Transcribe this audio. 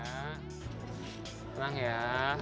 ya ya tenang ya